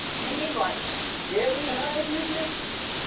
You mean like heavy hydrogen?